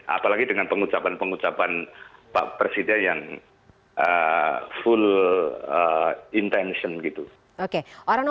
apalagi dengan pengucapan pengucapan pak presiden yang full intention gitu